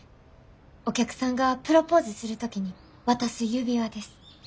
お客さんがプロポーズする時に渡す指輪です。